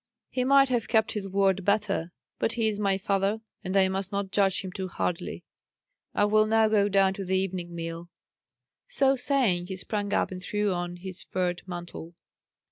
"He might have kept his word better. But he is my father, and I must not judge him too hardly. I will now go down to the evening meal." So saying, he sprang up and threw on his furred mantle.